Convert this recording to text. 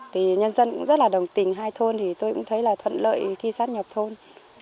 thì nhân dân cũng rất là đồng tình hai thôn thì tôi cũng thấy là thuận lợi khi sắp nhập thôn